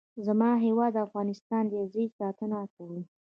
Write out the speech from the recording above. زما هیواد افغانستان دی. زه یې ساتنه کوم.